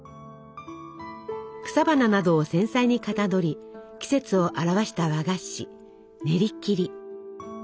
草花などを繊細にかたどり季節を表した和菓子ねりきり。